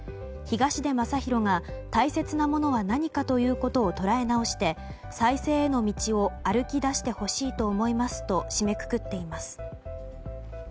東出昌大が大切なものは何かということを捉え直して再生への道を歩き出してほしいと思いますと締めくくっています。